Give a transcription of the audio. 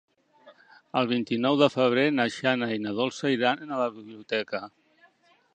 El vint-i-nou de febrer na Jana i na Dolça iran a la biblioteca.